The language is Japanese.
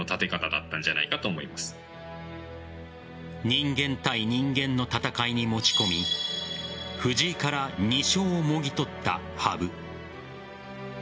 人間対人間の戦いに持ち込み藤井から２勝をもぎ取った羽生。